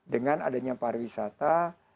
dengan adanya pariwisata